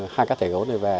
hai cá thể gấu này về